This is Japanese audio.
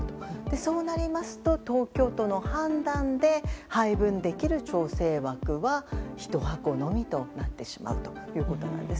そうなりますと東京都の判断で配分できる調整枠は１箱のみとなってしまうということなんです。